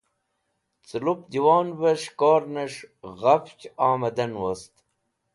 Ce Lup Janwarve Shikornes̃h ghafch Omadan wost